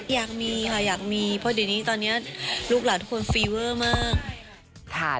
อยากมีค่ะอยากมีเพราะเดนนี้ตอนเนี้ยลูกหลากทุกคนมาก